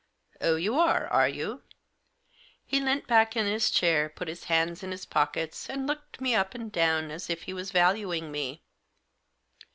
" Oh, you are, are you ?" He leant back in his chair, put his hands in his pockets, and looked me up and down, as if he was valuing me.